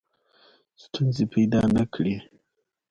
ستونزې پیدا نه کړي.